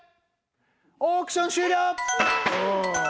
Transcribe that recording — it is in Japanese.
オークション終了！